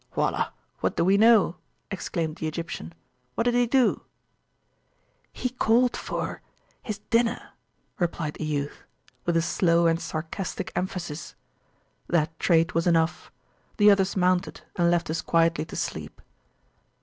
Wallah! what do we know! exclaimed the Egyptian, What did he do? He called forhis dinner, replied the youth, with a slow and [p.264] sarcastic emphasis. That trait was enough. The others mounted, and left us quietly to sleep.